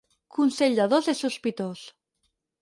Consell de dos és sospitós.